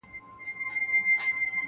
اوس و خپلو ته پردی او بېګانه دی,